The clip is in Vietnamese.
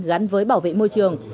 gắn với bảo vệ môi trường